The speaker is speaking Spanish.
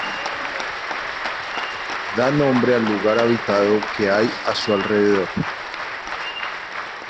Da nombre al lugar habitado que hay a su alrededor.